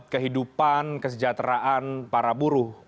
kehidupan kesejahteraan para buruh